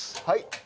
はい。